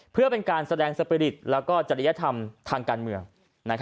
เพื่อเป็นการแสดงสปริตและจริยธรรมทางการเมือง